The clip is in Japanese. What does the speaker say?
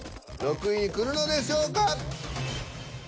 ６位にくるのでしょうか？